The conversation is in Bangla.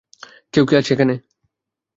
কেউ কি আছে এখানে?